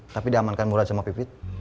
tapi diamankan murah sama pipit